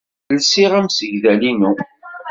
Lsiɣ amsegdal-inu.